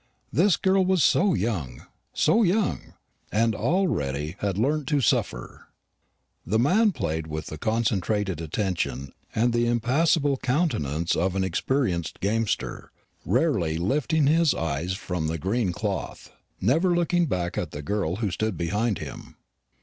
This girl was so young so young; and already she had learnt to suffer. The man played with the concentrated attention and the impassible countenance of an experienced gamester, rarely lifting his eyes from the green cloth, never looking back at the girl who stood behind him.